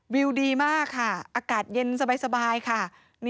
วิวดีมากค่ะอากาศเย็นสบายค่ะ